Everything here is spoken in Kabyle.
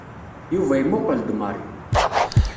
Yuba imuqel-d Mary.